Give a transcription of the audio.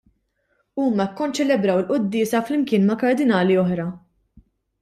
Huma kkonċelebraw il-quddiesa flimkien mal-kardinali l-oħra.